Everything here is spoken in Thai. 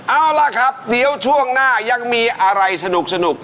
เอาล่ะครับเดี๋ยวช่วงหน้ายังมีอะไรสนุก